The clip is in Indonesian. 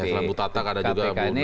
selambut atak ada juga